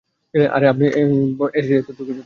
আরে, আপনি এসেছেন এটুকুই যথেষ্ট।